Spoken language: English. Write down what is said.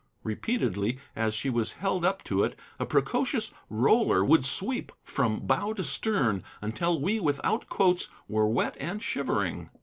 Repeatedly, as she was held up to it, a precocious roller would sweep from bow to stern, until we without coats were wet and shivering.